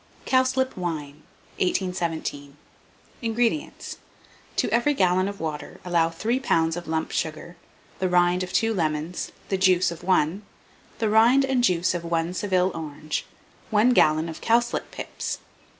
COWSLIP WINE. 1817. INGREDIENTS. To every gallon of water allow 3 lbs. of lump sugar, the rind of 2 lemons, the juice of 1, the rind and juice of 1 Seville orange, 1 gallon of cowslip pips.